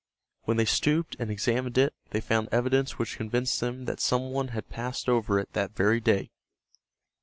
When they stooped and examined it they found evidence which convinced them that some one had passed over it that very day.